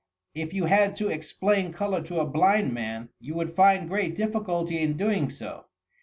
If you had to ex plain colour to a blind man, you would find great diffi culty in doing so.